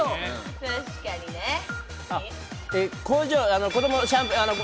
工場。